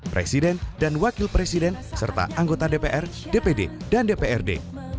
presiden dan wakil presiden serta anggota dpr dpd dan dprd